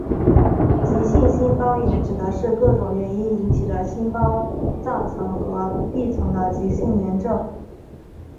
急性心包炎指的是各种原因引起的心包脏层和壁层的急性炎症。